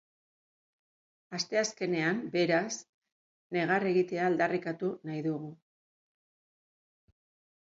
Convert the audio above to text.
Asteazkenean, beraz, negar egitea aldarrikatu nahi dugu.